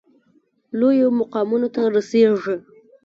لویو مقامونو ته رسیږي.